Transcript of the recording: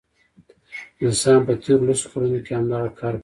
انسان په تیرو لسو کلونو کې همدغه کار کړی دی.